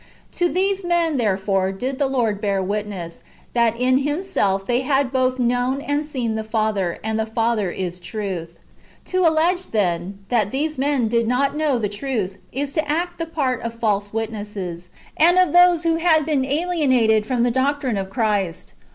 ^ To these men, therefore, did the Lord bear witness, that in Himself they had both known and seen the Father (and the Father is truth). To allege, then, that these men did not know the truth, is to act the part of false witnesses, and of those who have been alienated from the doctrine of Christ.